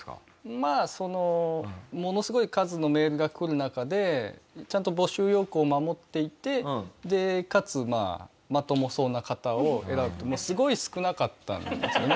まあそのものすごい数のメールがくる中でちゃんと募集要項を守っていてかつまともそうな方を選ぶとすごい少なかったんですよね。